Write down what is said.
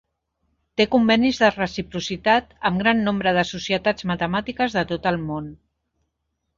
Té convenis de reciprocitat amb gran nombre de societats matemàtiques de tot el món.